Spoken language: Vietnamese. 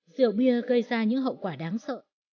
rượu bia gây ra những hậu quả đáng sợ